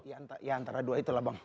ya antara dua itu lah bang